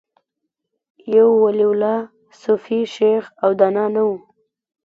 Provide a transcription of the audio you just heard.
یو ولي الله، صوفي، شیخ او دانا نه و